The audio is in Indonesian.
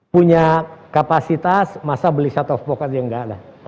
punya kapasitas masa beli set of pock aja enggak lah